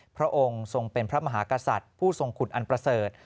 พระองค์ทรงเป็นพระมหากษัตริย์ผู้ทรงคุณอันประเสริฐ